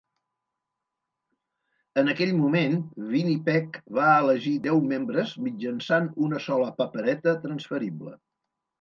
En aquell moment, Winnipeg va elegir deu membres mitjançant una sola papereta transferible.